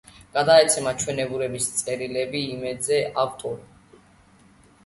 გადაცემა „ჩვენებურების“, „წერილები იმედზე“, ავტორი.